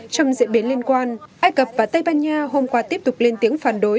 trong diễn biến liên quan ai cập và tây ban nha hôm qua tiếp tục lên tiếng phản đối